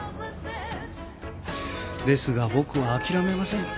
ですが僕は諦めません。